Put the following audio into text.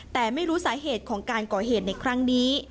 แต่ไม่รู้สาเหตุของการก่อเหตุในครั้งนี้